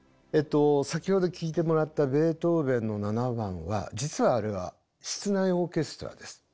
先ほど聴いてもらったベートーヴェンの７番は実はあれは室内オーケストラです。